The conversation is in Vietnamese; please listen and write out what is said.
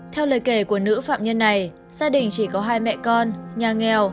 theo lời kể của nữ phạm nhân này gia đình chỉ có hai mẹ con nhà nghèo